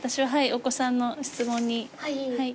お子さんの質問に。